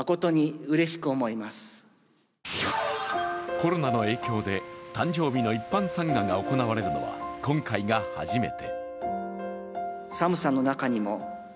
コロナの影響で誕生日の一般参賀が行われるのは今回が初めて。